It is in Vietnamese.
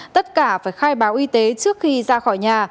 tất cả phải khai báo y tế trước khi ra khỏi nhà